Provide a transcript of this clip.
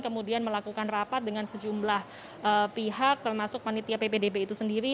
kemudian melakukan rapat dengan sejumlah pihak termasuk panitia ppdb itu sendiri